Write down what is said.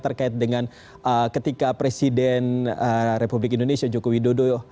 terkait dengan ketika presiden republik indonesia joko widodo